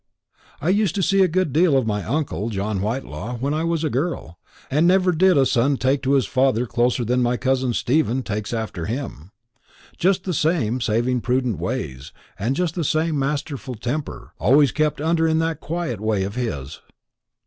I used to see a good deal of my uncle, John Whitelaw, when I was a girl, and never did a son take after his father closer than my cousin Stephen takes after him; just the same saving prudent ways, and just the same masterful temper, always kept under in that quiet way of his."